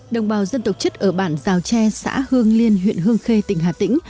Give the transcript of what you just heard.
đồng bào dân tộc chất ở bản giao tre xã hương liên huyện hương khê tỉnh hà tĩnh